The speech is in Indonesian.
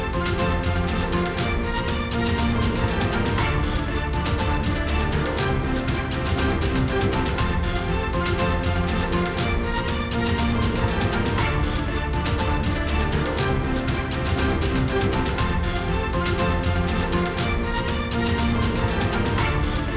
terima kasih pak assam